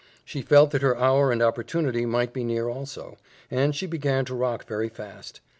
She felt that her hour and opportunity might be near also, and she began to rock very fast.